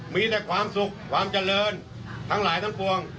มีแต่ความสุขความเจริญทั้งหลายทั้งปวง